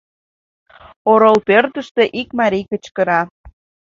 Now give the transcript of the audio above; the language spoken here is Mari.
Орол пӧртыштӧ ик марий кычкыра: